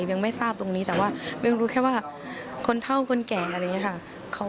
ยังไม่ทราบตรงนี้แต่ว่ายังรู้แค่ว่าคนเท่าคนแก่อะไรอย่างนี้ค่ะ